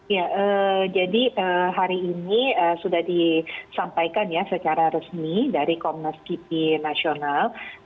ya jadi hari ini sudah disampaikan ya secara resmi dari komnas kipi nasional